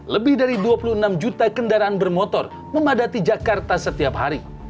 lebih dari dua puluh enam juta kendaraan bermotor memadati jakarta setiap hari